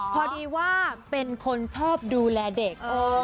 พอดีว่าเป็นคนชอบดูแลเด็ก